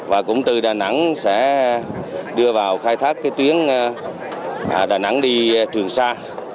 và cũng từ đà nẵng sẽ đưa vào khai thác cái tuyến đà nẵng đi trường sa